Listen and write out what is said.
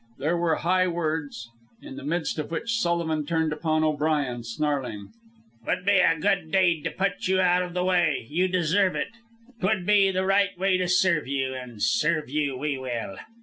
There were high words, in the midst of which Sullivan turned upon O'Brien, snarling "'Twould be a good deed to put you out of the way. You deserve it. 'Twould be the right way to serve you, an' serve you we will."